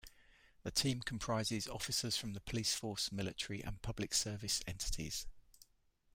The team comprises officers from the police force, military and public service entities.